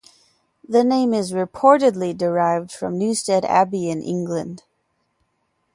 The name is reportedly derived from Newstead Abbey in England.